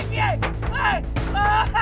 ibu ibu kenapa